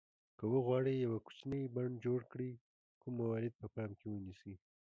که وغواړئ یو کوچنی بڼ جوړ کړئ کوم موارد په پام کې ونیسئ.